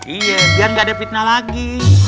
iya biar gak ada fitnah lagi